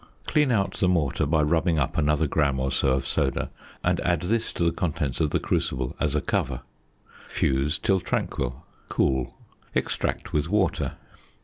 Clean out the mortar by rubbing up another gram or so of soda, and add this to the contents of the crucible as a cover. Fuse till tranquil. Cool. Extract with water.